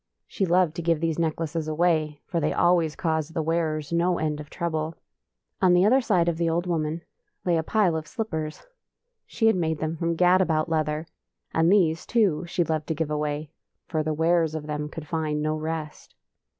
She loved to give these necklaces away, for they always caused the wearers no end of trouble. On the other side of the old woman lay a pile of slippers. She had made them from gad about leather, and these, too, she loved to give away, for the wearers of them could find no rest.